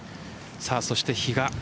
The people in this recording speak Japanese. そして比嘉。